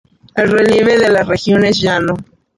El relieve de la región es llano.